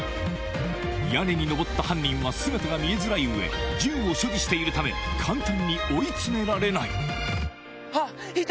屋根に上った犯人は姿が見えづらい上銃を所持しているため簡単に追い詰められないあっいた！